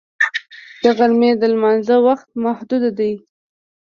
د غرمې د لمانځه وخت محدود دی